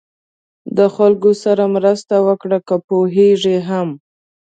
د خلکو سره مرسته وکړه که پوهېږئ هم.